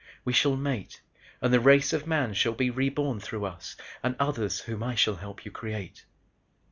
We shall mate and the race of Man shall be reborn through us and others whom I shall help you create."